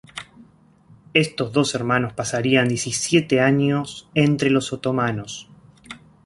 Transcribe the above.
Estos dos hermanos pasarían diecisiete años entre los otomanos.